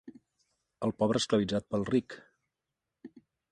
El pobre esclavitzat pel ric